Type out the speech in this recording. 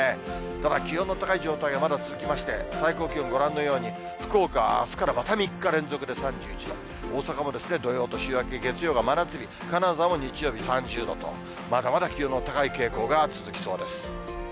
ただ、気温の高い状態がまだ続きまして、最高気温、ご覧のように、福岡はあすからまた３日連続で３１度、大阪も、土曜と週明け月曜が真夏日、金沢も日曜日３０度と、まだまだ気温の高い傾向が続きそうです。